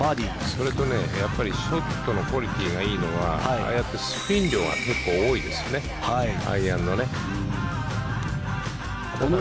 それとね、やっぱりショットのクオリティーがいいのはああやってスピン量が結構多いですね、アイアンの。